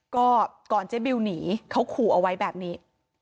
ก็ก่อนเจ๊บิวหนีเขาขู่เอาไว้แบบนี้